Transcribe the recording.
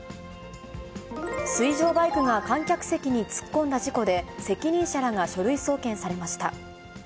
水上バイクが観客席に突っ込んだ事故で、責任者らが書類送検されました。